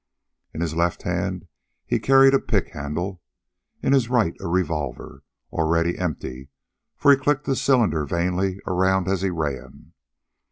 In his left hand he carried a pick handle, in his right a revolver, already empty, for he clicked the cylinder vainly around as he ran.